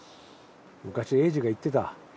昔栄治が言ってた。